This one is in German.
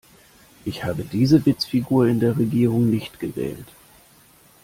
Ich habe diese Witzfigur in der Regierung nicht gewählt.